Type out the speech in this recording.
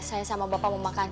saya sama bapak mau makan